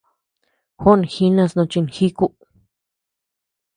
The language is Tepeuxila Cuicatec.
Juó jinas no chinjíku.